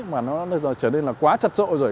mà nó trở nên là quá chật rộ rồi